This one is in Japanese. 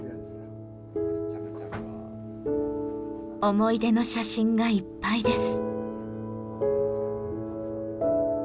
思い出の写真がいっぱいです。